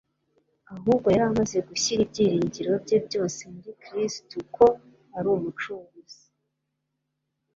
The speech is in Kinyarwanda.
ahubwo yari amaze gushyira ibyiringiro bye byose muri Kristo ko ari Umucunguzi.